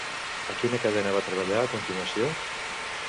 A quina cadena va treballar a continuació?